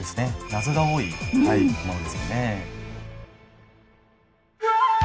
謎が多いものですよね。